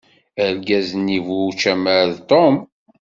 Argaz-nni bu ucamar d Tom.